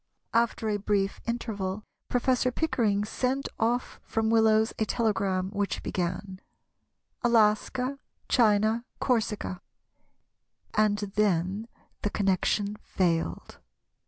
After a brief interval Professor Pickering sent off from Willows a telegram which began—"Alaska, China, Corsica," and then the connection failed.